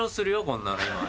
こんなの今。